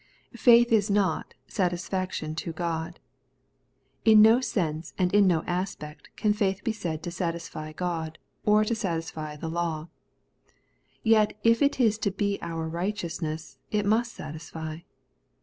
Faith is not' satisfaction to God, In no sense and in no aspect can faith be said to satisfy God, or to satisfy the law. Yet if it is to be our righteousness, it must satisfy.